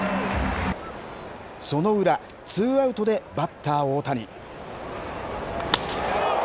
その裏、ツーアウトでバッター、大谷。